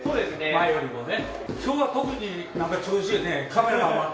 「前よりもね」